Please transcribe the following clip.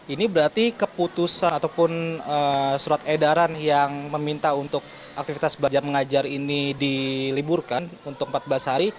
ini berarti keputusan ataupun surat edaran yang meminta untuk aktivitas belajar mengajar ini diliburkan untuk empat belas hari